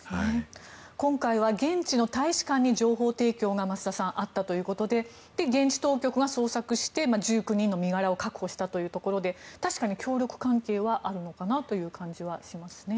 今回は現地の大使館に情報提供が増田さん、あったということで現地当局が捜索して１９人の身柄を確保して確かに協力関係はあるのかなという感じはしますね。